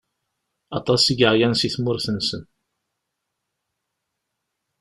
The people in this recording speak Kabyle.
Aṭas i yeɛyan si tmurt-nsen.